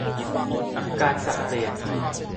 การสับเปลี่ยน